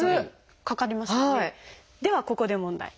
ではここで問題。